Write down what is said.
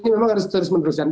memang harus terus meneruskan